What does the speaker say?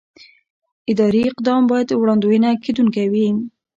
اداري اقدام باید وړاندوينه کېدونکی وي.